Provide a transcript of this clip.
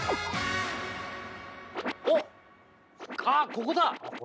ここだ！